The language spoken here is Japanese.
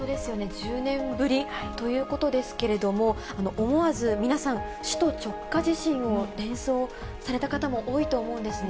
１０年ぶりということですけれども、思わず皆さん、首都直下地震を連想された方も多いと思うんですね。